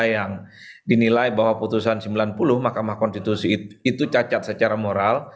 yang dinilai bahwa putusan sembilan puluh mahkamah konstitusi itu cacat secara moral